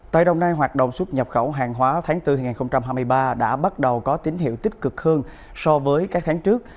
tại đồng nai hoạt động xuất nhập khẩu hàng hóa tháng bốn hai nghìn hai mươi ba đã bắt đầu có tín hiệu tích cực hơn so với các tháng trước